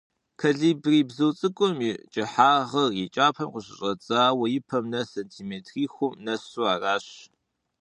Колибри бзу цIыкIум и кIыхьагъыр и кIапэм къыщыщIэдзауэ и пэм нэс сэнтиметритхум нэсу аращ.